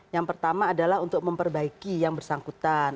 yang pertama adalah untuk memperbaiki yang bersangkutan